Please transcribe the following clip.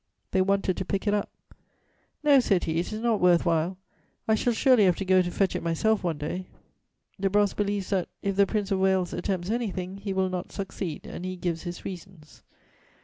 They wanted to pick it up: "'No,' said he, 'it is not worth while; I shall surely have to go to fetch it myself one day.'" De Brosses believes that, if the Prince of Wales attempts anything, he will not succeed, and he gives his reasons.